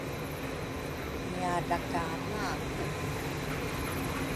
ngiadrakalaku.